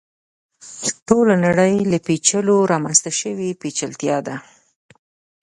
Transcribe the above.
ټوله نړۍ له پېچلو رامنځته شوې پېچلتیا ده.